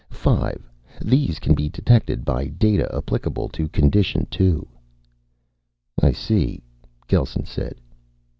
Five, these can be detected by data applicable to condition two." "I see," Gelsen said.